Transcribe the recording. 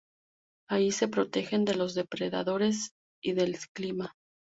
Allí se protegen de los depredadores y del clima.